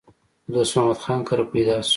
د دوست محمد خان کره پېدا شو